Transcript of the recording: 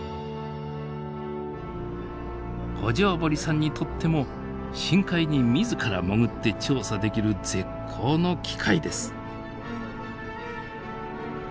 五條堀さんにとっても深海に自ら潜って調査できる絶好の機会です。